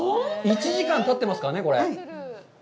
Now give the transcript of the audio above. １時間たってますからね、これ。